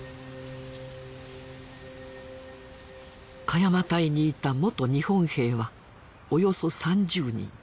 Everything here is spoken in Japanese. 鹿山隊にいた元日本兵はおよそ３０人。